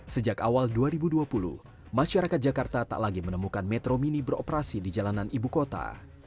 sejak awal dua ribu dua puluh masyarakat jakarta tak lagi menemukan metro mini beroperasi di jalanan ibu kota